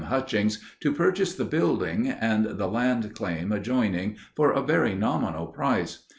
Hutchings to purchase the building and the land claim adjoining for a very nominal price.